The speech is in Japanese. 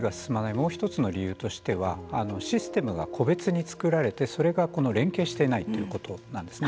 もう一つの理由としてはシステムが個別に作られてそれが連携していないということなんですね。